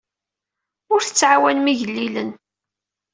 Ur tettɛawanem igellilen.